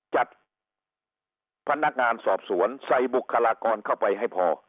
จัดพนักงานสอบสวนใส่บุคลากรเข้าไปให้พอ